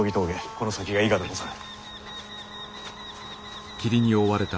この先が伊賀でござる。